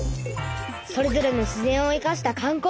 それぞれの自然をいかした観光。